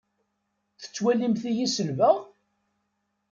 Tettwalimt-iyi selbeɣ?